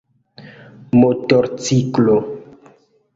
motorciklo